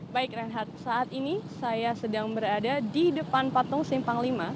baik renhat saat ini saya sedang berada di depan patung simpang lima